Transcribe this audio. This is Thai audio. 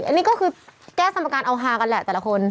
อันนี้ก็คือแก้สมการเอาฮากันแหละแต่ละคน